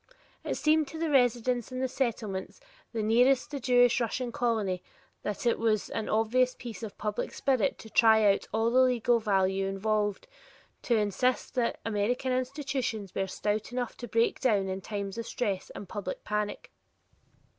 It seemed to the residents in the Settlements nearest the Russian Jewish colony that it was an obvious piece of public spirit to try out all the legal value involved, to insist that American institutions were stout enough to break down in times of stress and public panic.